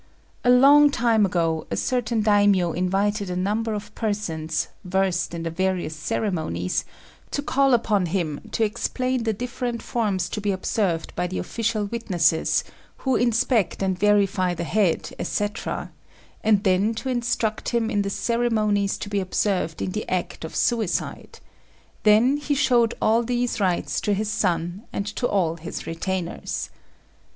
A long time ago, a certain Daimio invited a number of persons, versed in the various ceremonies, to call upon him to explain the different forms to be observed by the official witnesses who inspect and verify the head, &c., and then to instruct him in the ceremonies to be observed in the act of suicide; then he showed all these rites to his son and to all his retainers.